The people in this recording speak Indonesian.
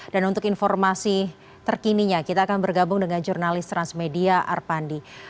dan untuk informasi terkininya kita akan bergabung dengan jurnalis transmedia arpandi